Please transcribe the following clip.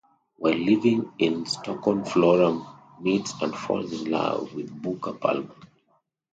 While living in Stockton Flora meets and falls in love with Booker Palmer.